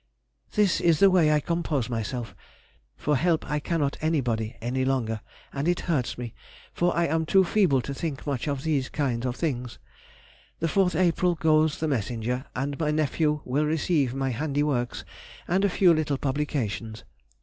This is the way I compose myself, for help I cannot anybody any longer, and it hurts me, for I am too feeble to think much of these kind of things. The 4th April goes the messenger, and my nephew will receive my handy works and a few little publications.